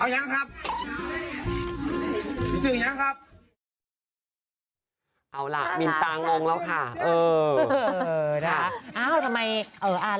ตามิตาลุกซิ่นลุกซิ่น